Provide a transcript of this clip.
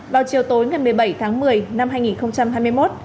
vào chiều tối ngày một mươi bảy tháng một mươi năm hai nghìn hai mươi một